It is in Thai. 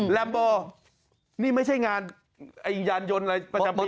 แรมโบนี่ไม่ใช่งานยานยนต์อะไรประจำปี